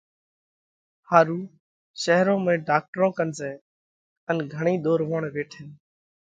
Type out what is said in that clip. ۿارُو شيرون موئين ڍاڪٽرون ڪنَ زائه، ان گھڻئِي ۮورووڻ ويٺئه۔۔